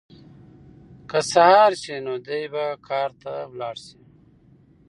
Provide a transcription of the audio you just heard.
که سهار شي نو دی به کار ته لاړ شي.